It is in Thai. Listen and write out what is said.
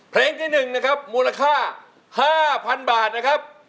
เพลงที่๑นะครับมูลค่า๕๐๐๐บาทนะครับ